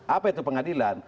apa itu pengadilan